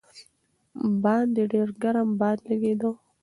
باندې ډېر ګرم باد لګېده.